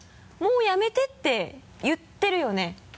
もうやめてって言ってるよね！